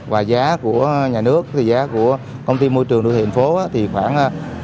và giá của nhà nước thì giá của công ty môi trường đô thị thành phố thì khoảng một mươi năm trăm linh